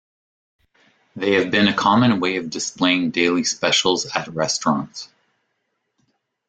They have been a common way of displaying daily specials at restaurants.